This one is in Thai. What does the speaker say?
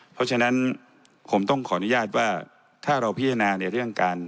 เพราะฉะนั้นผมต้องขออนุญาตว่าถ้าเราพิจารณาในเรื่องการ